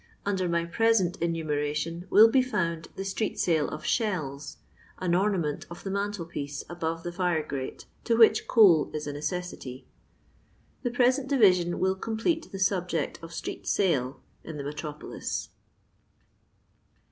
Under my present enumeration will be found the street sale of shdU, an ornament of the mantel piece above the fire grate to which coal is a necessity. The present division will complete the subject of Street Sale in the metropolis.